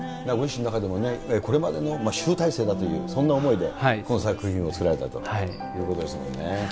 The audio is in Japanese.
ご自身の中でも、これまでの集大成だという、そんな思いでこの作品を作られたということですもんね。